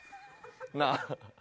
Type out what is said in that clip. なあ。